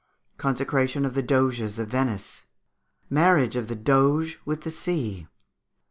Consecration of the Doges of Venice. Marriage of the Doge with the Sea.